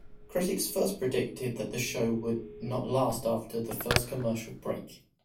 Critics first predicted that the show 'would not last after the first commercial break'.